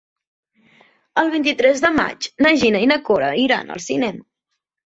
El vint-i-tres de maig na Gina i na Cora iran al cinema.